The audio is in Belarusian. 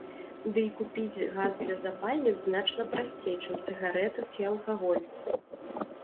Дый купіць газ для запальніц значна прасцей, чым цыгарэты ці алкаголь.